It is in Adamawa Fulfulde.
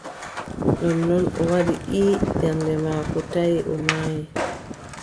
Nonnon o waɗi :« ii » ɓernde maako taʼi o maayi.